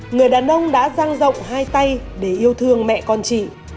người đàn ông đã giang rộng hai tay để yêu thương mẹ con chị